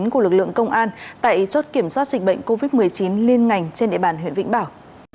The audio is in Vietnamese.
của lực lượng công an tại chốt kiểm soát dịch bệnh covid một mươi chín liên ngành trên địa bàn huyện vĩnh bảo